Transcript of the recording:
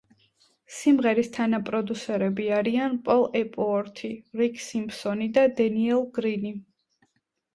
სიმღერის თანაპროდიუსერები არიან პოლ ეპუორთი, რიკ სიმფსონი და დენიელ გრინი.